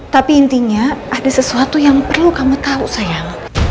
tapi intinya ada sesuatu yang perlu kamu tahu sayang